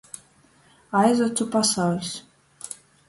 Aizocu pasauļs.